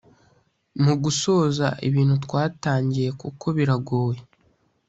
mugusoza ibintu twatangiye kuko biragoye